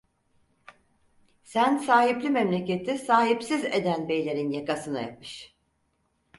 Sen sahipli memleketi sahipsiz eden beylerin yakasına yapış…